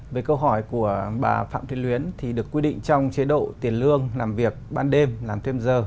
về câu hỏi của bà phạm thị luyến thì được quy định trong chế độ tiền lương làm việc ban đêm làm thêm giờ